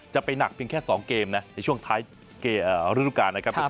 จะไปหนักเพียงแค่๒เกมนะในช่วงท้ายฤดูการนะครับ